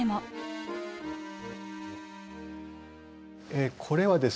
これはですね